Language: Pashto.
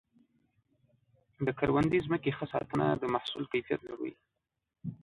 د کروندې ځمکې ښه ساتنه د محصول کیفیت لوړوي.